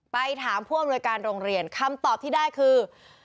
ไปถามผู้อำนวยการโรงเรียนคำตอบที่ได้คือ